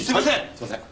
すいません。